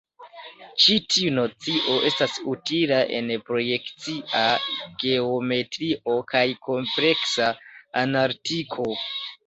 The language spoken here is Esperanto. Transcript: Ĉi tiu nocio estas utila en projekcia geometrio kaj kompleksa analitiko.